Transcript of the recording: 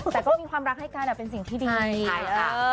แต่ก็มีความรักให้กันเป็นสิ่งที่ดี